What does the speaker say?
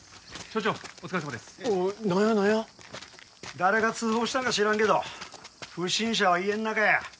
誰が通報したんか知らんけど不審者は家の中や。